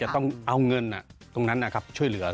ต้องเอาเงินตรงนั้นช่วยเหลือ